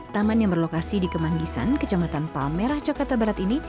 taman yang berlokasi di kemanggisan kecamatan palmerah jakarta barat ini